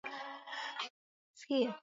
Msanii yule ni hodari